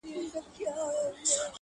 دا عجیب منظرکسي ده وېره نه لري امامه